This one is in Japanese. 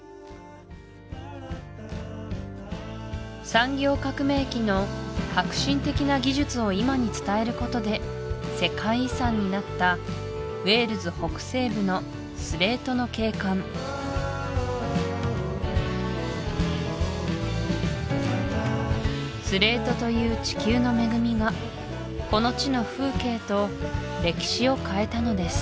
産業革命期の革新的な技術を今に伝えることで世界遺産になったウェールズ北西部のスレートの景観スレートという地球の恵みがこの地の風景と歴史を変えたのです